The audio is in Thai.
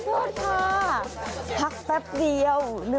อุ้ยเซลเกียร์่ะ